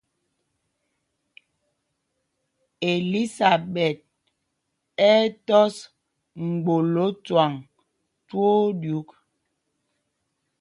Elisaɓɛt ɛ́ ɛ́ tɔ́s mgbolǒ cwâŋ twóó ɗyûk.